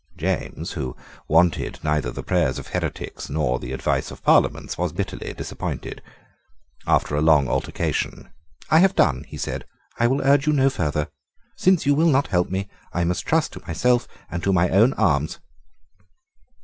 James, who wanted neither the prayers of heretics nor the advice of Parliaments, was bitterly disappointed. After a long altercation, "I have done," he said, "I will urge you no further. Since you will not help me, I must trust to myself and to my own arms."